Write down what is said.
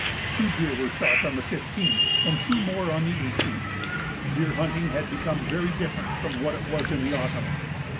Two deer were shot on the 15th, and two more on the 18th. Deer hunting had become very different from what it was in the autumn.